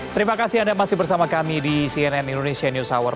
terima kasih anda masih bersama kami di cnn indonesia news hour